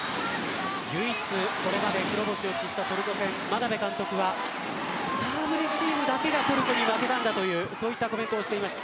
唯一これまで黒星を喫したトルコ戦、眞鍋監督はサーブレシーブだけがトルコに負けたんだそういったコメントをしています。